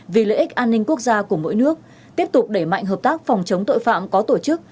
vì lợi ích an ninh quốc gia của mỗi nước tiếp tục đẩy mạnh hợp tác phòng chống tội phạm có tổ chức